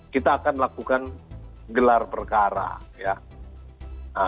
kita akan lakukan gelar perkara ya